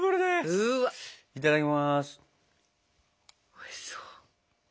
おいしそう。